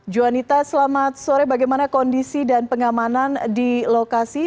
juanita selamat sore bagaimana kondisi dan pengamanan di lokasi